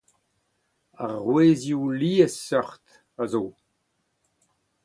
Arouezioù liesseurt a zo.